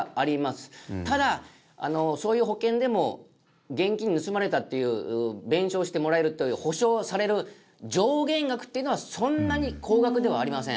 ただそういう保険でも現金盗まれたっていう弁償してもらえるという補償される上限額っていうのはそんなに高額ではありません。